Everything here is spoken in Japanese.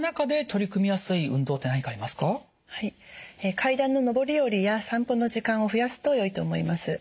階段の上り下りや散歩の時間を増やすとよいと思います。